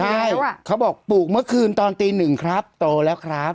ใช่เขาบอกปลูกเมื่อคืนตอนตีหนึ่งครับโตแล้วครับ